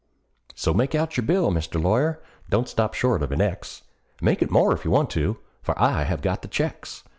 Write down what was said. So make out your bill, Mr. Lawyer: don't stop short of an X; Make it more if you want to, for I have got the checks.